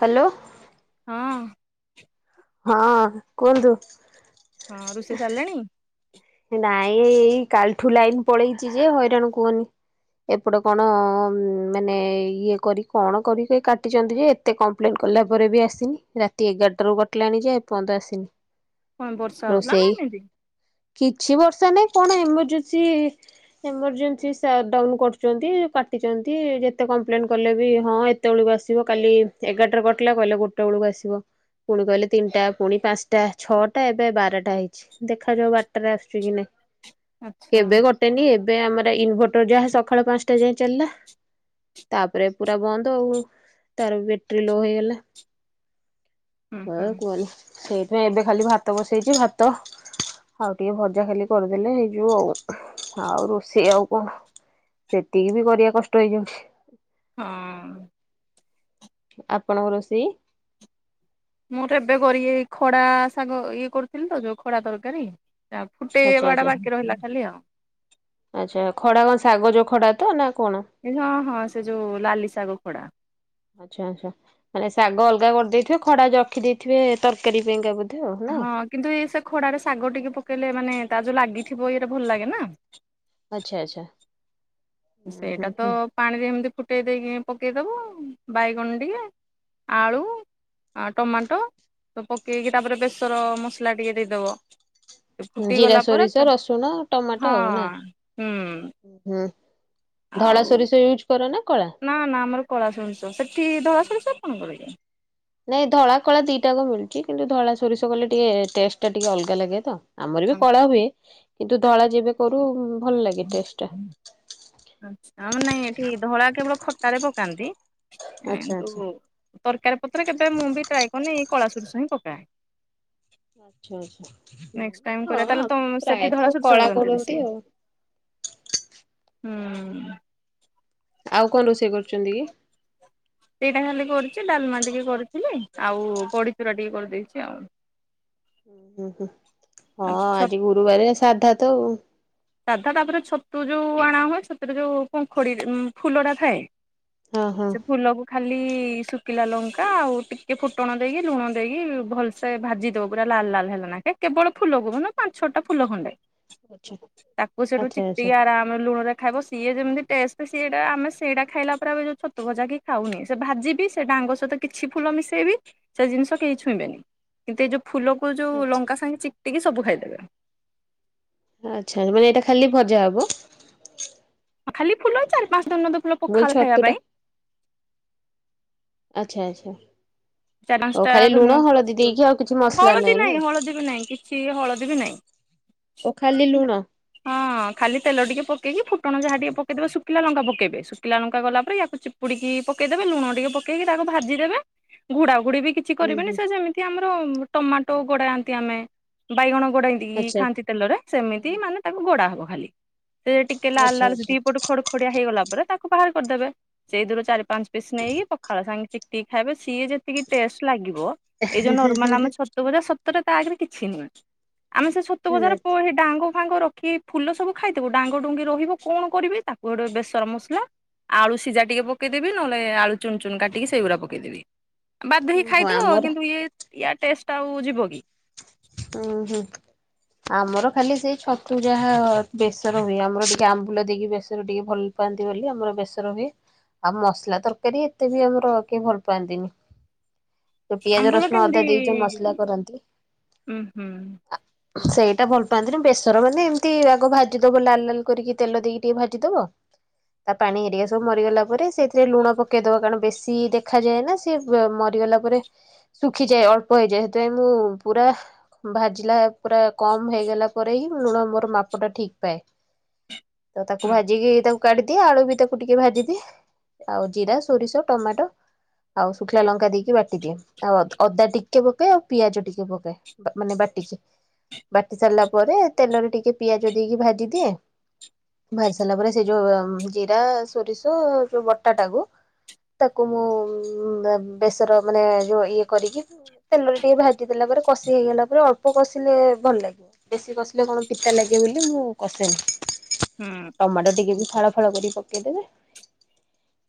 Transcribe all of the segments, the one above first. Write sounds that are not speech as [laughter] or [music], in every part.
Hello? ହଁ। ହଁ କୁହନ୍ତୁ? ହଁ ରୋଷେଇ ସାରିଲେଣି? ନାଇଁ ଏଇ କାଲିଠୁ ଲାଇନ ପଳେଇଛି ଯେ ହଇରାଣ କୁହନି। ଏପତଟେ କଣ ମାନେ ଇଏ କରି କଣ କରିକି କାଟିଛନ୍ତି ଯେ ଏତେ କମ୍ପ୍ଲେନ୍ କଲା ପରେ ବି ଆସିନି। ରାତି ଏଗାରଟାରୁ କଟିଲାଣି ଯେ ଏପର୍ଯ୍ୟନ୍ତ ଆସିନି। କଣ ବର୍ଷା ହେଉଥିଲା ନା ରୋଷେଇ ଏମିତି? କିଛି ବର୍ଷା ନାଇଁ କଣ ଏମର୍ଜେନ୍ସି ଏମର୍ଜେନ୍ସି ସଟଡାଉନ କରୁଛନ୍ତି। କାଟିଛନ୍ତି ଯେତେ କମ୍ପ୍ଲେନ୍ କଲେ ବି ହଁ ଏ କେତେବେଳକୁ ଆସିବ କାଲି ଏଗାରଟାରେ କଟିଲା କହିଲେ ଗୋଟେ ବେଳକୁ ଆସିବ। ପୁଣି କହିଲେ ତିନିଟା ପୁଣି ପାଞ୍ଚଟା, ଛଅଟା ଏବେ ବାରଟା ହେଇଛି ଦେଖାଯାଉ ବାର ଆସୁଛି କି ନାଇଁ। ଆଚ୍ଛା କେବେ କଟ ଟେନି ଏବେ ଆମର ଇନଭର୍ଟର ଯାହା ସକାଳ ପାଞ୍ଚଟା ଯାଏଁ ଚାଲିଲା। ତାପରେ ପୁରା ବନ୍ଦ ଆଉ। ତାର ବ୍ୟାଟେରୀ ଲୋ ହେଇଗଲା। ହୁଁ ହୁଁ ହଁ କୁଅନା। ସେଇଥିପାଇଁ ଏବେ ଖାଲି ଭାତ ବସେଇଛି ଭାତ। ଆଉ ଟିକେ ଭଜା ଖାଲି କରିଦେଲେ ହେଇଯିବ ଆଉ। ଆଉ ରୋଷେଇ ଆଉ କଣ? ସେତିକି ବି କରିବା କଷ୍ଟ ହେଇଯାଉଛି। ହୁଁ। ଆପଣଙ୍କ ରୋଷେଇ? ମୁଁ ତ ଏବେ କରିକି ହେଇ ଖଡ଼ା ଶାଗ ଇଏ କରୁଥିଲି ତ ଯୋଉ ଖଡ଼ା ତରକାରୀ। ଆଉ ଆଚ୍ଛା ଫୁଟେଇବା ଟା ଆଚ୍ଛା ବାକି ରହିଲା ଖାଲି ଆଉ। ଆଚ୍ଛା ଖଡ଼ା କଣ ଶାଗ ଯୋଉ ଖଡ଼ାତ ନା କଣ? ହଁ ହଁ ସେ ଯୋଉ ଲାଲି ଶାଗ ଖଡ଼ା। ଆଚ୍ଛା ଆଚ୍ଛା ଖାଲି ଶାଗ ଅଲଗା କରିଦେଇଥିବେ। ଖଡ଼ା ରଖିଦେଇଥିବେ ତରକାରୀ ପାଇଁକା ବୋ ହଁ। କିନ୍ତୁ ଇଏ ସେ ଖଡ଼ାରେ ଶାଗ ଟିକେ ପକେଇଲେ ମାନେ ତା ଯୋଉ ଲାଗିଥିବ ଇଏରେ ଭଲଲାଗେ ନା। ଆଚ୍ଛା ଆଚ୍ଛା। ହୁଁ ସେଇଟା ତ ହୁଁ ପାଣିରେ ଏମିତି ଫୁଟେଇ ଦେଇକି ପକେଇଦବ ବାଇଗଣ ଟିକେ। ଆଳୁ ଆ ଟମାଟୋ ତ ପକେଇକି ତାପରେ ବେସର ମସଲା ଟିକେ ଦେଇଦେବ। ହୁଁ ଫୁଟି ଜିରା ଗଲା ପରେ ସୋରିଷ ତ ରସୁଣ ଟମାଟୋ ହଁ ଆଉ ନା? ହୁଁ। ହୁଁ ଧଳା ଆଉ ସୋରିଷ ୟୁଜ୍ କର ନା କଳା? ନା ନା ଆମର କଳା ସୋରିଷ ସେଠି ଧଳା ସୋରିଷ କଣ [unintelligible] ନାଇଁ ଧଳା କଳା ଦିଟା କ ମିଳୁଛି କିନ୍ତୁ ଧଳା ସୋରିଷ କଲେ ଟିକେ ଟେଷ୍ଟ ଟା ଟିକେ ଅଲଗା ଲାଗେ ତ। ଆମର ବି କଳା ଆଚ୍ଛା ହୁଏ କିନ୍ତୁ ଧଳା ଯେବେ କରୁ ଭଲ ଲାଗେ ଟେଷ୍ଟ ଟା। ଆଛା ଆମ ନାଇଁ ଏଠି ଧଳା କେବଳ ଖଟାରେ ପକାନ୍ତି। ଆଚ୍ଛା କିନ୍ତୁ ଆଚ୍ଛା। ତରକାରୀ ପତ୍ର କେବେ ମୁଁ ବି ଟ୍ରାଏ କରିନି ଏଇ କଳା ସୋରିଷ ହିଁ ପକାଏ। ହ ଆଚ୍ଛା ଆଚ୍ଛା [inaudible] ନେକ୍ସଟ ଟାଇମ କରିବା ତାହାଲେ ହଁ ତମ ସେଠି ପ୍ରାୟତଃ ଧଳା ସୋରିଷ କଳା କରନ୍ତି ବେଶି? ଆଉ। ହୁଁ। ଆଉ କଣ ରୋଷେଇ କରୁଛନ୍ତି କି? ସେଇଟା ଖାଲି କରିଛି ଡାଲମା ଟିକେ କରିଥିଲି ଆଉ ବଡିଚୁରା ଟିକେ କରିଦେଇଛି ଆଉ। ଉଁ ହୁଁ ହୁଁ ହଁ ଛ ଆଜି ଗୁରୁବାର ସାଧା ତ ଆଉ। ସାଧା ତାପରେ ଛତୁ ଯୋଉ ଅଣା ହୁଏ ଛତୁରେ ଯୋଉ ପୁଖୁଡି ଫୁଲଟା ଥାଏ। ହଁ ହଁ ସେ ଫୁଲକୁ ଖାଲି ଶୁଖିଲା ଲଙ୍କା ଆଉ ଟିକେ ଫୁଟଣ ଦେଇକି ଲୁଣ ଦେଇକି ଭଲ ସେ ଭାଜିଦବ ପୁରା ଲାଲ ଲାଲ ହେଲା କେ କେବଳ ଫୁଲକୁୁ ନା ପାଞ୍ଚ ଛଅଟା ଫୁଲ ଖଣ୍ଡେ। ଆଚ୍ଛା। ତାକୁ ସେଠୁ ଆଚ୍ଛା ଚିପି ଆଚ୍ଛା ଆରାମରେ ଲୁଣରେ ଖାଇବ ସିଏ ଯେମିତି ଟେଷ୍ଟ ସେଟା ଆମେ ସେଇଟା ଖାଇଲା ପରେ ଆ ଯଉ ଛତୁ ଭଜା କି ଖାଉନି ସେ ଭାଜିବି ସେ ଡ଼ାଙ୍ଗ ସହିତ କିଛି ଫୁଲ ମିଶେଇବି ସେ ଜିନିଷ କେହି ଛୁଇଁବେନି। କିନ୍ତୁ ଏଇ ଯୋଉ ଫୁଲକୁ ଯଉଁ ଆଚ୍ଛା ଲଙ୍କା ସାଙ୍ଗେ ଚିକଟିକି ସବୁ ଖାଇଦେବେ। ଆଚ୍ଛା ମାନେ ଏଇଟା ଖାଲି ଭଜା ହବ। ଖାଲି ଫୁଲ ଚାର ପାଞ୍ଚ ନ ଦ ଫୁଲ ମୁଁ ପଖାଳ କହିଲି ଖାଇବା ଛତୁଟା ପାଇଁ ଆଚ୍ଛା ଆଚ୍ଛା। ଚାରି ଓ ପାଞ୍ଚଟା ଖାଲି ଲୁଣ ହଳଦୀ ଧରିନିଅନ୍ତୁ ଦେଇକି ଆଉ କିଛି ମସଲା ହଳଦୀ ନା? ନାହିଁ ହଳଦୀ ବି ନାହିଁ କିଛି ହଳଦୀ ବି ନାହିଁ। ଓ ଖାଲି ଲୁଣ? ହଁ। ହ ଖାଲି ତେଲ ଟିକେ ପକେଇକି ଫୁଟଣ ଯାହା ଟିକେ ପକାଇଦେବେ କ ଶୁିଖୀଲା ଲଙ୍କା ପକେଇବେ ଶୁଖିଲା ଲଙ୍କା ଗଲା ପରେ ଏହାକୁ ଚିପୁଡିକି ପକେଇଦେବେ ଲୁଣ ଟିକେ ପକେଇକି ତାକୁ ଭାଜିଦେବେ। ଘୁଡାଘୁଡି ବି କି କିଛି ହୁଁ କରିବେନି ହୁଁ ସେ ଯେମିତି ଆମର ଟମାଟୋ ଗୋଡାନ୍ତି ଆମେ ବାଇଗଣ ଗୋଡା ଇ ଆଚ୍ଛା। ଖାଆନ୍ତି ତେଲରେ ସେମିତି ମାନେ ତାକୁ ଗୋଡା ହବ ଖାଲି ସେ ଟିକେ ଲାଲ ଆଚ୍ଛା ଲାଲ ଆଚ୍ଛା ଦି ପଟୁ ଖଡ ଖଡିଆ ହେଇଗଲା ପରେ ତାକୁ ବାହାର କରିଦେବେ। ସେଇ ଥିରୁ ଚାରି ପାଞ୍ଚ ପିସ୍ ନେଇକି ପଖାଳ ସାଙ୍ଗେ ଚିପିକି ଖାଇବେ ସିଏ ଯେତିକି ଟେଷ୍ଟ ଲାଗିବ ଏଇ ଯଉ ନର୍ମାଲ ଆମେ ଛତୁ ସତୁ ଭଜା ସତରେ ତା ଆଗରେ କିଛି ନୁହେଁ। ଆମେ ସେ ଛତୁ ଭଜାର କୌଣସି ଡାଙ୍ଗ ଫାଙ୍ଗ ର କି ଫୁଲ ସବୁ ଖାଇଥବୁ ଡାଙ୍ଗଡୁଙ୍ଗି ରହିବ କଣ କରିବି ତାକୁ ଗୋଟେ ବେସର ମସଲା ଆଳୁ ସିଝା ଟିକେ ପକେଇଦେବି ନହଲେ ଆଳୁ ଚୁନ ଚୁନ କାଟିକି ସେଗୁରା ପକେଇଦେବି। ବାଧ୍ୟ ହୋଇ ହଁ ଖାଇଦବ ଆମର କିନ୍ତୁ ଇଏ ଏୟା ଟେଷ୍ଟ ଆଉ ଯିବ କି? ହୁଁ ହୁଁ। ଆମର ଖାଲି ସେଇ ଛତୁ ଯାହା ବେସର ହୁଏ ଆମର ଟିକେ ଆମ୍ବୁଲ ଦେଇକି ବେସରରେ ଟିକେ ଭଲ ଲ ପାଆନ୍ତି ବୋଲି ଆମର ବେସର ହୁଏ। ଆଉ ମସଲା ତରକାରୀ ଏତେ ବି ଆମର କି ଭଲ ପାଆନ୍ତିନି। ଯୋଉ ପିଆଜ ଆମ୍ବୁଲ ରସୁଣ ଅଦା କେମିତି ଦେଇ ଯୋଉ ମସଲା କରନ୍ତି ଉଁ ହୁଁ। ସେଇଟା ଭଲ ପାଆନ୍ତିନି ବେସର ମାନେ ଏମିତି ଆଗ ଭାଜିଦବ ଲାଲ ଲାଲ କରିକି ତେଲ ଦେଇକି ଟିକେ ଭାଜିଦବ। ତା ପାଣି ହେରିକା ସବୁ ମରିଗଲା ପରେ ସେଇଥିରେ ଲୁଣ ପକେଇଦବ କାରଣ ବେଶୀ ଦେଖାଯାଏନା। ସିଏ ମ ମରିଗଲା ପରେ ଶୁଖିଯାଏ ଅଳ୍ପ ହେଇଯାଏ ସେଥିପାଇଁ ମୁଁ ପୁରା ଭାଜିଲା ପୁରା କମ ହେଇଗଲା ପରେହିଁ। ଲୁଣ ମୋର ମାପଟା ଠିକ ପାଏ ତ ତାକୁ ହୁଁ ଭାଜିକି ତାକୁ କାଢ଼ୀ ଦିଏ ଆଳୁବି ତାକୁ ଟିକିଏ ଭାଜିଦିଏ ଆଉ ଜିରା ସୋରିଷ ଟମାଟ। ଆଉ ଶୁଖିଲା ଲଙ୍କା ଦେଇକି ବାଟିଦିଏ ଆଉ ଅଦା ଟିକିଏ ପକେ ପିଆଜ ଟିକିଏ ପକ ମାନେ ବାଟିିଚେ। ବାଟି ସାରଲା ପରେ ତେଲରେ ଟିକିଏ ପିଆଜ ଦେଇକି ଭାଜିଦିଏ। ଭାଜି ସାରିଲାପରେ ସେଯୋଉ ଉୁଁ ଜିରା ସୋରିଷ ଯୋଉ ବଟା ଟାକୁ ତାକୁ ମୁଁ ଉୁଁ ଉୁଁ ବେସର ମାନେ ଯୋଉ ଇଏ କରିକି ତେଲରେ ଟିକିଏ ଭାଜିଦେଲା ପରେ କଷିହେଇଗଲା ପରେ ଅଳ୍ପ କଷିଲେ ଭଲ ଲାଗିବ ବେଶୀ କଷିଲେ କଣ ପିତା ଲାଗେ ବୋଲି ମୁଁ କଷେନି। ହୁଁ ଆଉ ଟମାଟ ଟିକିଏବି ଫାଳ ଫାଳ କରିକି ପକେଇ ଦେବେ।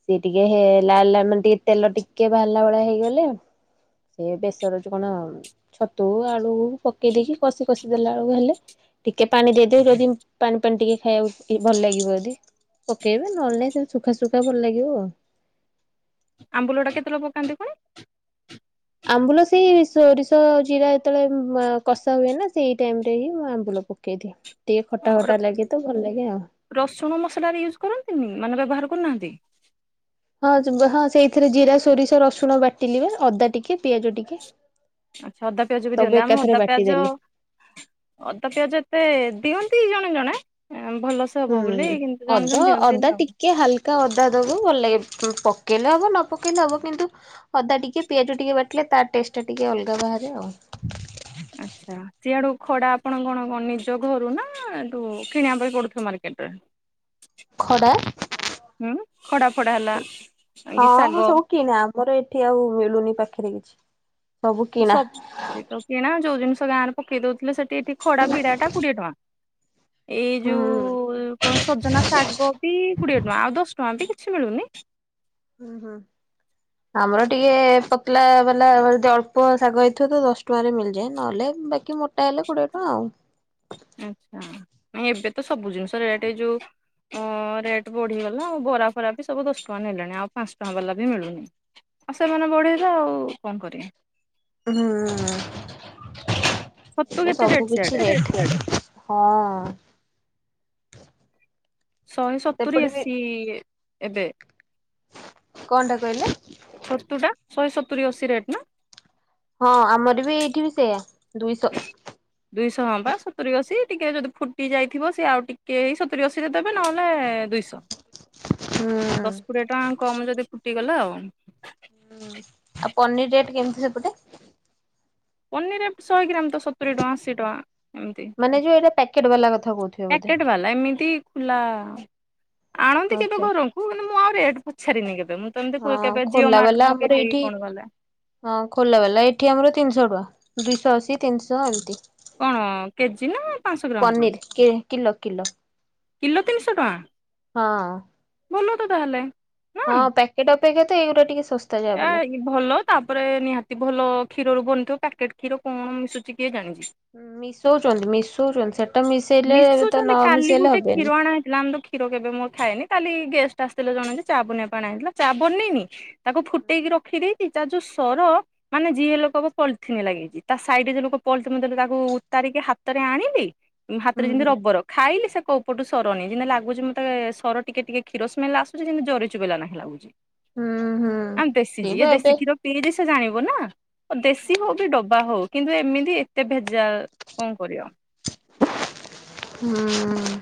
ସିଏ ଟିକିଏ ହେଲା ହେଲା ମାନେ ଟିକିଏ ତେଲ ଟିକିଏ ଭାରିଲା ଭଳିଆ ହେଇଗଲେ ସେ ବେଶର ଯୋଉ କଣ? ଛତୁ ଆଳୁକୁ ପକେଇ ଦେଇକି କଷି କଷି ଦେଲାଆଳକୁ ହେଲେ ଟିକିଏ ପାଣି ଦେଇଦେଇ ଯଦି ପାଣି ପାଣି ଟିକିଏ ଖାଇଆକୁ ଭଲଲାଗିବ ଯଦି। ପକେଇବେ ନହେଲେ ନାଇଁ ସେମିତି ସୁଖା ସୁୁଖା ଭଲଲାଗିବ ଆଉ। ଆମ୍ବୁଲଟା କେତେବେଳେ ପକାନ୍ତି ପୁଣି? ଆମ୍ବୁଲ ସେଇ ସୋରିଷ ଜିରା ଯେତେବେଳେ ଉୁଁ କଷା ହୁଏନା ସେଇ ଟାଇମରେହିଁ ମୁଁ ଆମ୍ବୁଲ ପକେଇଦିଏ। ଟିକିଏ ଅ ଖଟା ର ଫଟା ଲାଗେତ ଭଲଲାଗେ ଆଉ। ରସୁଣ ମସଲାବି ୟୁଜ କରନ୍ତିନି ମାନେ ବ୍ୟବହାର କରୁନାହାନ୍ତି। ହଁ ଚୁଙ୍ଗ ହଁ ସେଇଥିରେ ଜିରା ସୋରିଷ ରସୁଣ ବାଟିଲିବା ଅଦା ଟିକିଏ ପିଆଜ ଟିକିଏ। ଆଚ୍ଛା ଅଦା ପିଆଜବି ଦିଅନ୍ତି ଆମେ ଅଦା ପିଆଜ ବାଟିଦେଲି। ଅଦା ପିଆଜ ଏତେ ଦିଅନ୍ତି ଜଣେ ଜଣେ ଏଁ ଭଲସ ଉୁଁ ଅଦ ଅଦା ଟିକିଏ ହାଲ କା ଅଦା ଦେବୁ ଭଲଲାଗେ ପକେଇଲେ ହବ ନପକାଇଲେ ହବ କିନ୍ତୁ ଅଦା ଟିକିଏ ପିଆଜ ଟିକିଏ ବାଟିଲେ ତାଟେଷ୍ଟେ ଟିକିଏ ଅଲଗା ବାହାରେ ଆଉ। ଆଚ୍ଛା। ସିଆଡୁ ଖଡା ଆପଣ କଣ କଣ ନିଜ ଘରୁନା ଏଠୁ କିଣିବା ପାଇଁ ପଡୁଥିବ ମାର୍କେଟେ? ଖଡା। ଉୁଁ ଖଡା ଫଡା ହେଲା ଆଗେ ଶାଗ। ମୋର ଏଠି ଆଉ ମିଳୁନି ପାଖରେ କିଛି ସବୁ କିଣା। ସେ ସବୁ କିଣା ଯୋଉ ଜିନିଷ ଗାଁରେ ପକେଇ ଦଉଥିଲେ ସେଠି ଏଠି ଖଡା ବିଡାଟା କୋଡିଏ ଟଙ୍କା। ଏଇ ହୁଁ ଯୋଉ ହୁଁ। ଉୁଁ ଉୁଁ ଉୁଁ କଣ ସଜନା ଶାଗବି କୋଡିଏ ଟଙ୍କା ଆଉ ଦଶ ଟଙ୍କାବି। କିଛି ମିଳୁନି। ଉୁଁ ହଁ। ଆମର ଟିକିଏ ପତଲା ବାଲା ଯଦି ଅଳ୍ପ ଶାଗ ହେଇଥିବତ ଦଶ ଟଙ୍କାରେ ମିଳିଯାଏ ନହେଲେ ବେ କି ମୋଟାହେଲେ କୋଡିଏ ଟଙ୍କା ଆଉ। ଆଚ୍ଛା ନାଏଁ ଏବେତ ସବୁ ଜିନିଷ ରେଟ ଏଯୋଉ ଅଁ ରେଟ ବଢିଗଲା ଆଉ ବରା ଫରାବି ସବୁ ଦଶ ଟଙ୍କା ନେଲେଣି ଆଉ ପାଞ୍ଚଟଙ୍କା ବାଲାବି ମିଳୁନି। ଆଉ ସେମାନେ ବଢେଇବେ ଆଉ କଣ କରିବେ? ଉୁଁ ହୁଁ ଛତୁ ଏବେ କେତେ ରେଟ୍ ସବୁକିିଛି ସିଆଡେ? ରେଟ। ହଁ। ଶହେ ସତୁରି ସେପଟେ ବି ଅଶି ଏ ଏବେ। କଣଟା କହିଲେ? ଛତୁ ଟା ଶହେ ସତୁରି ଅଶୀ ରେଟ୍ ନା? ହଁ ଆମର ବି ଏଇଠି ବି ସେଇୟା ଦୁଇଶ। ଦୁଇଶ ହଁ ବା ସତୁରି ଅଶୀ ଟିକେ ଯଦି ଫୁଟି ଯାଇଥିବ ସେ ଆଉ ଟିକେ ସତୁରି ଅଶୀ ରେ ଦେବେ ନହେଲେ ଦୁଇଶ୍ ଶ ହୁଁ। ଦଶ କୋଡିଏ ଟଙ୍କା କମ ଯଦି ଫୁଟିଗଲା ଆଉ। ହୁଁ ଆଉ ପନିର ରେଟ୍ କେମତି ସେପଟେ? ପନିର ଏପ ଶହେ ଗ୍ରାମ ତ ସତୁୁରି ଟଙ୍କା ଅଶୀ ଟଙ୍କା। ଏମିତି ମାନେ ଯୋଉ ଏଇଟା ପ୍ୟାକେଟ ବାଲା କଥା କହୁଥିବେ ବୋଧେ। ନା ଏମିତି ଖୁଲା ଆଣନ୍ତି କେବେ ଆଚ୍ଛା। ଘରଙ୍କୁ ମାନେ ମୁଁ ଆଉ ରେଟ ପଚାରିନି କେବେ ମୁଁ ତ ଏମିତି କୁ ହଁ କେବେ ଜିଓ ଖୋଲା ମାଟ ବାଲା ରୁ ଆମର ମଗେଇ ଦେବି ଏଇଠି କଣ ବାଲା ହଁ ଖୋଲା ବାଲା ଏଠି ଆମର ତିନିଶ ଟଙ୍କା ଦୁଇଶ ଅଶି ତିନିଶ ଏମତି। କଣ କେଜି ନା ପାଞ୍ଚଶହ ଗ୍ରାମକୁ? ପନିର କେ କିଲ କିଲ। କିଲୋ ତିନିଶହ ଟଙ୍କା ଭଲ ତ ତାହେଲେ ହଁ ପ୍ୟାକେଟ ଅପେକ୍ଷା ତ ଏଇଗୁରା ଟିକେ ଶସ ଏ ଇ କି ଭଲ ତାପରେ ନିହାତି ଭଲ କ୍ଷୀରରୁ ବନିଥିବ ପ୍ୟାକେଟ୍ କ୍ଷୀର କଣ ମିଶୁଚି କିଏ ଜାଣିଚି। ମିଶଉଚନ୍ତି ମିଶଉଚନ୍ତି ସେଟା ମିଶେଇଲେ ଏବେ ତ ମିଶୁଛନ୍ତି ନ କାଲି ମିଶେଇଲେ ଗୋଟେ କ୍ଷୀର ହେବେନି ଅଣା ଆମେ ତ କ୍ଷୀର କେବେ ମୋ ଖାଏନି କାଲି ଗେଷ୍ଟ ଆସିଥିଲେ ଜଣେ ଯେ ଚା ବନେଇବାକୁ ଅଣାଯାଇଥିଲା ଚା ବନେଇନି ତାକୁ ଫୁଟେଇକି ରଖିଦେଇଚି ତାର ଯୋଉ ସର ମାନେ ଯିଏ ହେଲେ କହିବ ପଲଥିନି ଲାଗିଚି ତା ସାଇଡରେ ଯୋ ଲୋକ ପ ମୁତ ତାକୁ ଉତାରିକି ହାତରେ ଆଣିଲି- ହୁଁ ହାତରେ ଯେମିତି ହୁଁ ରବର- ଖାଇଲି ସେ କଉ ଉପଟୁ ସରନି ଯେମିତି ଲାଗୁଚି ମୋତେ ସର ଟିକେ ଟିକେ କ୍ଷୀର ସ୍ମେଲ ଆସୁଚି ଯେମିତି ଜରି ଚୋବେଇଲା ନାଖେ ଲାଗୁଚି ଉଁ ହୁଁ ଆମ ଦେଶୀ ସେଇ ଯିଏ ବା ଏବେ ଦେଶୀ କ୍ଷୀର ପିଇଚି ସେ ଜାଣିବ ନା ଦେଶୀ ହଉ କି ଡବା ହଉ- କିନ୍ତୁ ଏମିତି ଏତେ ଭେଜା କଣ କରିବ ହୁଁ ଉଁ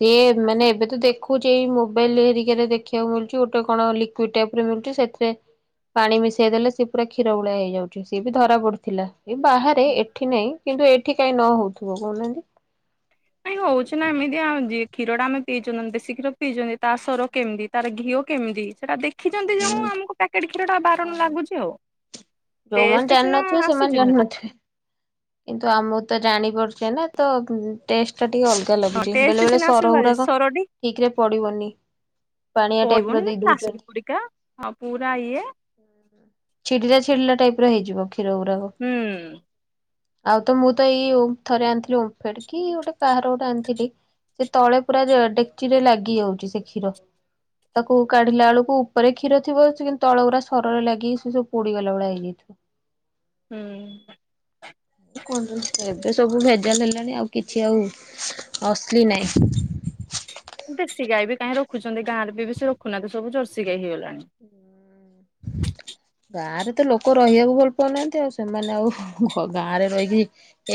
ସିଏ ମାନେ ଏବେ ତ ଦେ ଖୁଛି ଏଇ ମୋବାଇଲ ହେରିକାରେ ଦେଖିବାକୁ ମିଳୁଚି ଗୋଟେ କଣ ଲିକ୍ୱିଡ ଟାଇପର ମିଳୁଛି ସେଥିରେ ପାଣି ମିଶାଇ ଦେଲେ ସେ ପୁରା କ୍ଷୀର ଭଳିଆ ହେଇଯାଉଚି ସିଏ ବି ଧରା ପଡିଥିଲା ଏ ବାହାରେ ଏଠି ନାହିଁ କିନ୍ତୁ ଏଠି କାଇଁ ନ ହଉଥିବ କହୁନାହାନ୍ତି ହଉଚି ନା ଏମିତି ଆଁ ଯିଏ କ୍ଷୀରଟା ଆମେ ପିଇଚନ୍ତି ଦେଶୀ କ୍ଷୀର ପିଇଚନ୍ତି ତା ସର କେମିତି - ତାର ଘିଅ କେମିତି ସେଟା ଦେଖିଛନ୍ତି ଯେଣୁ ହୁଁ। ଆମକୁ ପ୍ୟାକେଟ କ୍ଷୀର ଟା ବାରଣ ଓହୋ ଲାଗୁଚି ଆଉ ଟେଷ୍ଟ ଯୋଉମାନେ ସିନା ଜାଣିନଥିବେ ଆସୁଛି ସେମାନେ ଭାରି ଜାଣିନଥିବେ। କିନ୍ତୁ ଆମକୁ ତ ଜାଣିପାରୁଚେ ନା ତ ଟେଷ୍ଟ ଟା ଟିକେ ଅଲଗା- [unintelligible] ହଁ ଲାଗୁଚି ଟେଷ୍ଟ ବେଳେ ବେଳେ ସିନା ଆସୁଛି ଭାରି ସରଗୁଡାକ ସରଟି ଠିକ୍ ରେ ପଡିବନି- ପାଣିଆ ଟାଇପର ଦେଇ ଦଉଚନ୍ତି- ହ ପୁରା ଇଏ- ଛିଡିଲା ଛିଡିଲା ଟାଇପର ହେଇଯିବ କ୍ଷୀର ଗୁରାକ - ହୁଁ। ଆଉ ତ ମୁଁ ତ ଏଇ ଥରେ ଆଣିଥିଲି ଓମଫେଡ କି ଗୋଟେ କାହାର ଗୋଟେ ଆଣିଥିଲି ସେ ତଳେ ପୁରା ଜ ଡେକ୍ଚିରେ ଲାଗି ଯାଉଚି ସେ କ୍ଷୀର ତାକୁ କାଢିଲା ଏଳୁକୁ - ଉପରେ କ୍ଷୀରଥିବ ସେ କିନ୍ତୁ ତଳ ଗୁରା ସରରେ ଲାଗି ସେ ସବୁ ପୋଡିଗଲା ଭଳିଆ ହେଇଯାଇଥିବ ହୁଁ କଞ୍ଜୁସ ଏବେ ସବୁ ଭେଜାଲ ହେଲାଣି ଆଉ କିଛି ଆଉ ଅସଲି ନାଇଁ ଦେଶୀ ଗାଈ ବି କାହିଁ ରଖୁଛନ୍ତି ଗାଁରେ ବି ବେଶୀ ରଖୁନାହାନ୍ତି ସବୁ ଜର୍ସି ଗାଈ ହେଇଗଲାଣି [inaudible] ଗାଁରେ ତ ଲୋକ ରହିବାକୁ ଭଲ ପାଉନାହାନ୍ତି। ଆଉ ସେମାନେ ଆଉ ଗାଁରେ ରହିକି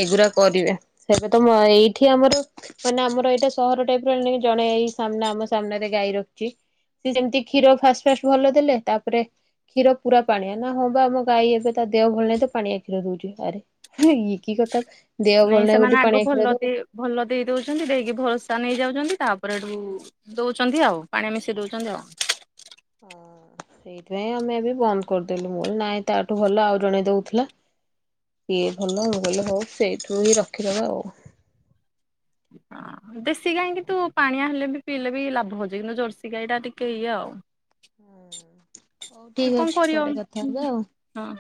ଏଗୁୁରା କରିବେ ଏବେ ତ ମ ଏଇଠି ଆମର ମାନେ ଆମର ଏଇଟା ସହର ଟାଇପର ଜଣେ ଏଇ ସାମ୍ନା ଆମ ସାମ୍ନାରେ ଗାଈ ରଖେ। ସେ ସେମିତି କ୍ଷୀର ଫାଷ୍ଟ ଫାଷ୍ଟ ଭଲ ଦେଲେ ତାପରେ କ୍ଷୀର ପୁରା ପାଣିଆ ନା ହଁ ବା ଆମ ଗାଈ ଏବେ ତା ଦେହ ଭଲ ନାହିଁ ତ ପାଣିଆ କ୍ଷୀର ଦଉଛି ଆରେ ଇଏ କି କଥା ଦେହ ନାଇଁ ଭଲ ନାହିଁ ସେମାନେ ବୋଲି ଆଗ ପାଣିଆ କ୍ଷୀର ଭଲ ଦେଇ ଦବ। ଭଲ ଦେଇ ଦଉଛନ୍ତି ଦେଇକି ଭରସା ନେଇଯାଉଛନ୍ତି ତାପରେ ଏଠୁ ଦଉଛନ୍ତି ଆଉ ପାଣି ମିଶେଇ ଦଉଛନ୍ତି ଆଉ। ହଁ [inaudible] ସେଇଥିପାଇଁ ଆମେ ଏବେ ବନ୍ଦ କରିଦେଲୁ ମୁଁ ନାଇଁ ତାଠୁ ଭଲ ଆଉ ଜଣେ ଦଉଥିଲା। କିଏ ଭଲ ମୁଁ କହିଲି ହଉ ସେଇଠୁ ହିଁ ରଖିଦବା ଆଉ। ହଁ ଦେଶୀ ଗାଈ କିନ୍ତୁ ପାଣିଆ ହେଲେ ବି ପିଇଲେ ବି ଲାଭ ହଉଛି କିନ୍ତୁ ଜର୍ସି ଗାଈ ଟା ଟିକେ ଇଏ ଆଉ। ହଉ ଏ ଠିକ୍ କଣ ଅଛି କରିବ ପରେ କଥା ହବା ଆଉ। ହଁ।